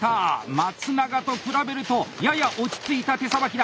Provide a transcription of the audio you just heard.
松永と比べるとやや落ち着いた手さばきだ。